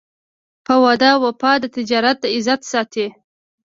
په وعده وفا د تجارت عزت ساتي.